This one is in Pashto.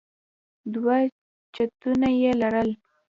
دوه چتونه يې لرل.